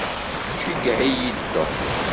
Ceyyeɛ-iyi-d Tom.